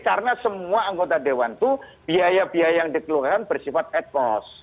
jadi karena semua anggota dewan itu biaya biaya yang dikeluarkan bersifat ad post